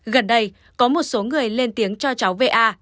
gần đây có một số người lên tiếng cho cháu v a trên facebook